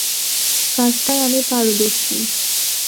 কাজটায় আমি পারদর্শী।